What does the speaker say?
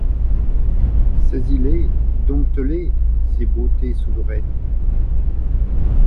Saisis-les, dompte-les, ces beautés souveraines !